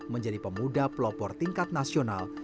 menjadi pemuda pelopor tingkat nasional